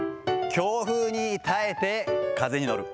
強風に耐えて風に乗る。